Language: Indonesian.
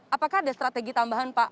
apakah ada strategi tambahan pak